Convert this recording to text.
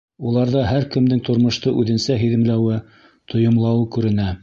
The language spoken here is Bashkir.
Уларҙа һәр кемдең тормошто үҙенсә һиҙемләүе, тойомлауы күренә.